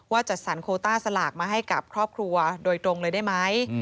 จัดสรรโคต้าสลากมาให้กับครอบครัวโดยตรงเลยได้ไหม